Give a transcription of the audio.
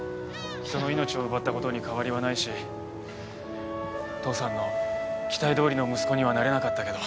人の命を奪った事に変わりはないし父さんの期待どおりの息子にはなれなかったけど。